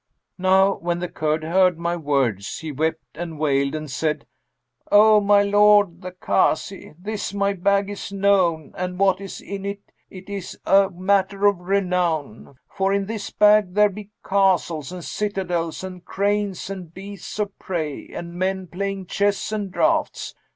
Now when the Kurd heard my words, he wept and wailed and said, 'O my lord the Kazi, this my bag is known and what is in it is a matter of renown; for in this bag there be castles and citadels and cranes and beasts of prey and men playing chess and draughts.